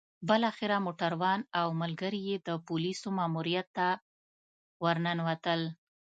بالاخره موټروان او ملګري يې د پوليسو ماموريت ته ورننوتل.